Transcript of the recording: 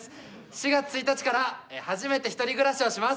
４月１日から初めて一人暮らしをします。